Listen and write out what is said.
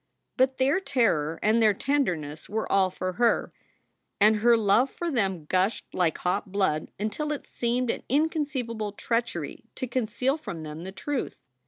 But their terror and their tenderness were all for her, and her love for them gushed like hot blood until it seemed an inconceivable treachery to conceal from them the truth.